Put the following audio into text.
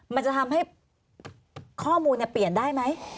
มันจะทำให้ข้อมูลเปลี่ยนได้ไหม